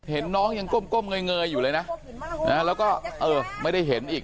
เห็นน้องยังก้มเงยอยู่เลยนะแล้วก็เออไม่ได้เห็นอีก